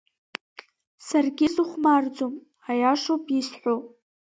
Саргьы сыхәмарӡом, аиашоуп исҳәо.